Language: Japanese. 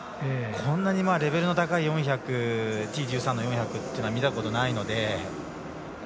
こんなにレベルの高いＴ１３の４００というのは見たことないので。